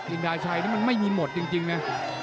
อินดาชัยนี่มันไม่มีหมดจริงนะ